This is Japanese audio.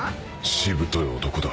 しぶとい男だ。